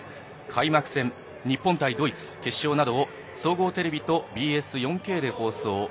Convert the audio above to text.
開幕戦日本対ドイツ、決勝などを総合テレビとＢＳ４Ｋで放送。